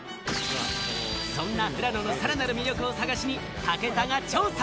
そんな富良野のさらなる魅力を探しに武田が調査。